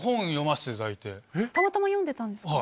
たまたま読んでたんですか？